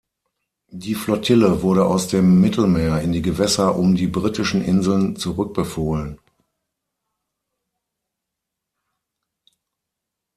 Die Flottille wurde aus dem Mittelmeer in die Gewässer um die Britischen Inseln zurückbefohlen.